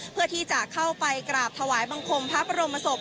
เพื่อที่จะเข้าไปกราบถวายบังคมพระบรมศพ